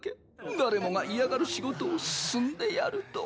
誰もが嫌がる仕事を進んでやるとは。